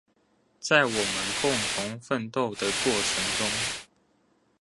在我們共同奮鬥的過程中